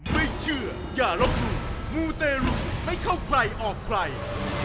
ไม่เชื่ออย่าลบหลู่มูเตรุไม่เข้าใครออกใคร